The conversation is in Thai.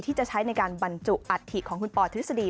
ที่จะใช้ในการบรรจุอัฐิของคุณปอทฤษฎี